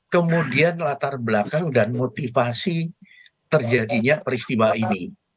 kemudian latar belakang dan motivasi terjadinya peristiwa ini